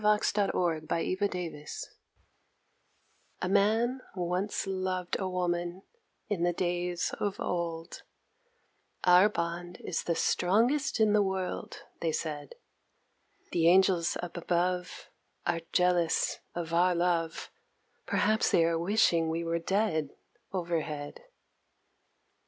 THE ANGEL OF INDIFFERENCE A Man once loved a Woman, in the days of old, Our bond is the strongest in the world, they said The Angels up above Are jealous of our love, Perhaps they are wishing we were dead, overhead.